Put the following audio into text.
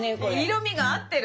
色みが合ってる！